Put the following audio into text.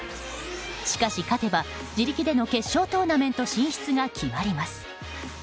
しかし、勝てば自力での決勝トーナメント進出が決まります。